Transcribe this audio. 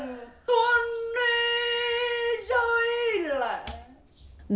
nguyện tuôn đi rơi lại